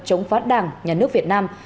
chống phát đảng nhà nước việt nam